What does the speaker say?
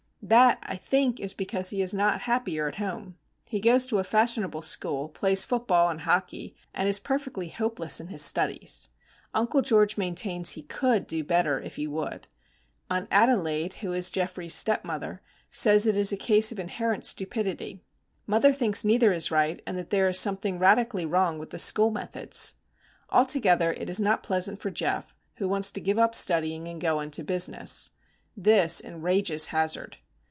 That, I think, is because he is not happier at home. He goes to a fashionable school, plays football and hockey, and is perfectly hopeless in his studies. Uncle George maintains he could do better if he would. Aunt Adelaide, who is Geoffrey's stepmother, says it is a case of "inherent stupidity." Mother thinks neither is right, and that there is something radically wrong with the school methods. Altogether it is not pleasant for Geof, who wants to give up studying and go into business. This enrages Hazard.